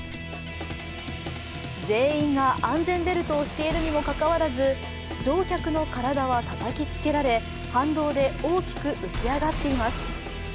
全員が安全ベルトをしているにもかかわらず、乗客の体はたたきつけられ反動で大きく浮き上がっています。